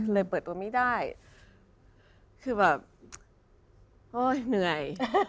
เปิดตัวไม่ได้คือแบบโอ๊ยเหนื่อย